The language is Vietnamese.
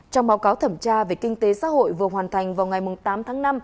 trong báo cáo thẩm tra về kinh tế xã hội vừa hoàn thành vào ngày tám tháng năm